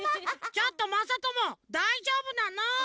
ちょっとまさともだいじょうぶなの？